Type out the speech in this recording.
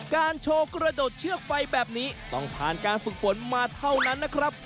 โชว์กระโดดเชือกไฟแบบนี้ต้องผ่านการฝึกฝนมาเท่านั้นนะครับ